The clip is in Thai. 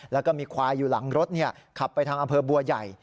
แล้วก็มีควายอยู่หลังรถขับไปทางอำเภอบัวใหญ่